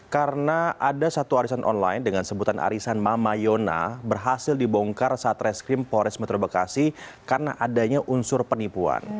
karena ada satu arisan online dengan sebutan arisan mama yona berhasil dibongkar saat reskrim polres metro bekasi karena adanya unsur penipuan